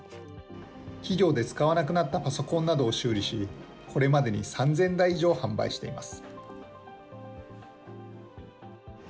企業で使わなくなったパソコンなどを修理し、これまでに３０００台以上販売しています。